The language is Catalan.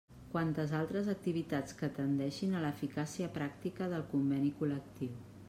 Quantes altres activitats que tendeixin a l'eficàcia pràctica del Conveni col·lectiu.